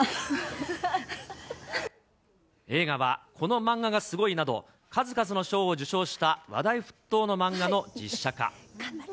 映画はこのマンガがすごい！など、数々の賞を受賞した話題沸騰の漫画の実写化。